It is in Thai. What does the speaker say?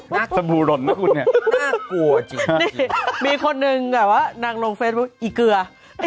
สบูรนนะคุณเนี่ยน่ากลัวจริงนี่มีคนหนึ่งแบบว่านางลงเฟซบุ๊คอีเกลือ